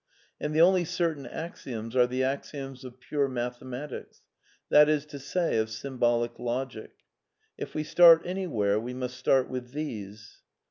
And the only cer tain axioms are the axioms of pure mathematics ; that is to say, of Symbolic Logic. If we start anywhere, we must start with these.